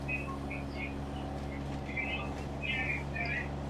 এটা একটা আদেশ।